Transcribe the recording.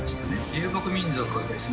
遊牧民族はですね